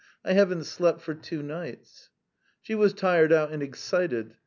I haven't slept for two nights!" She was tired out and excited.